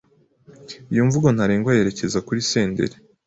Iyi mvugo ntarengwa yerekeza kuri Senderi